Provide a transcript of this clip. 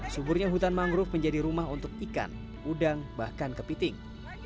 suburnya hutan mangrove menjadi rumah untuk ikan udang bahkan kepiting